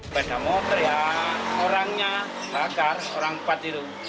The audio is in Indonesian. dari pemeriksaan awal